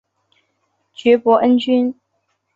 爵波恩君。